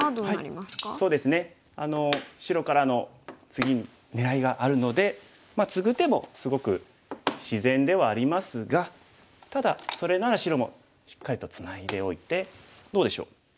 白からの次に狙いがあるのでツグ手もすごく自然ではありますがただそれなら白もしっかりとツナいでおいてどうでしょう？